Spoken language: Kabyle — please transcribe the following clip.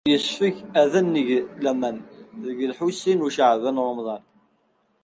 Ur yessefk ad neg laman deg Lḥusin n Caɛban u Ṛemḍan.